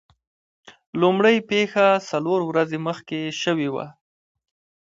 لومړۍ پیښه څلور ورځې مخکې شوې وه.